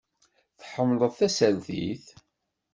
Tḥemmleḍ tasertit?